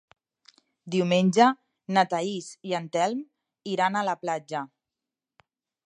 Diumenge na Thaís i en Telm iran a la platja.